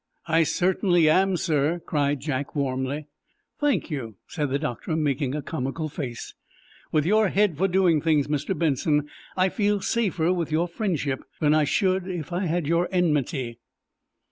"I certainly am, sir," cried Jack warmly. "Thank you," said the doctor, making a comical face. "With your head for doing things, Mr. Benson, I feel safer with your friendship than I should if I had your enmity."